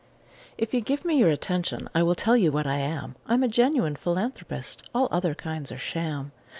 If you give me your attention, I will tell you what I am: I'm a genuine philanthropist all other kinds are sham.